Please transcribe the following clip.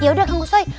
yaudah tangguh soi